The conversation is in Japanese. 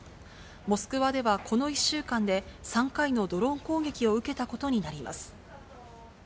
モスクワではこの１週間で３回のドローンを攻撃を受けたことになります。